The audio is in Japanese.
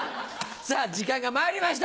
さぁ時間がまいりました。